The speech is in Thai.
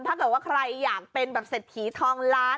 ถ้าเกิดว่าใครอยากเป็นแบบเศรษฐีทองล้าน